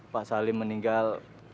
pak salim meninggal